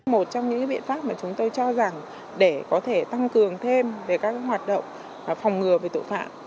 một trong những biện pháp mà chúng tôi cho rằng để có thể tăng cường thêm về các hoạt động phòng ngừa về tội phạm